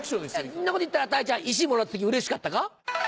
そんなこと言ったらたいちゃん石もらった時うれしかったか？